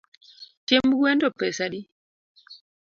Chiemb gwen to pesa adi?